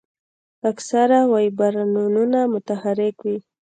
اکثره ویبریونونه متحرک وي.